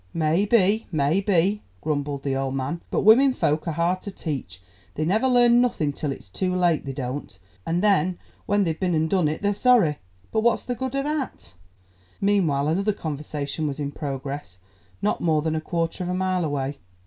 "May be, may be," grumbled the old man, "but women folk are hard to teach; they never learn nothing till it's too late, they don't, and then when they've been and done it they're sorry, but what's the good o' that?" Meanwhile another conversation was in progress not more than a quarter of a mile away.